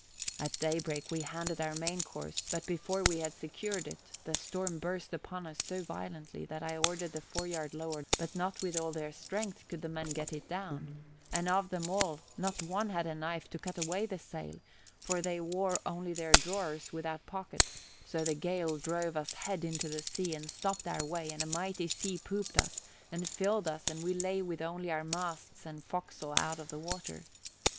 At daybreak we handed our main course, but before we had secured it the storm burst upon us so violently that I ordered the foreyard lowered away; but not with all their strength could the men get it down, and of them all not one had a knife to cut away the sail, for they wore only their drawers without pockets; so the gale drove us head into the sea and stopped our way and a mighty sea pooped us and filled us and we lay with only our masts and forecastle out of the water.